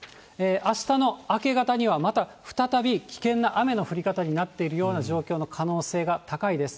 あしたの明け方にはまた再び、危険な雨の降り方になっているような状況の可能性が高いです。